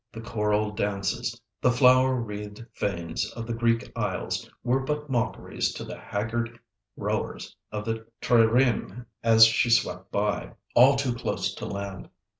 The choral dances, the flower wreathed fanes of the Greek Isles were but mockeries to the haggard rowers of the trireme as she swept by, all too close to land.